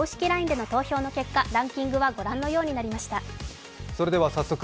ＬＩＮＥでの投票の結果ランキングはご覧のようになりました。